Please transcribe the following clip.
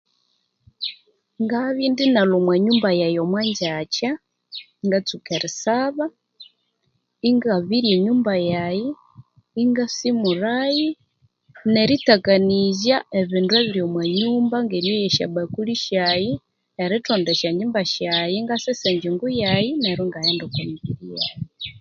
Ngabya indinalwa omwanyumba yaghe omwajakya ngatsuka erisaba engasumura enyumba yaghe neryo ingaghenda okwamibiri yaghe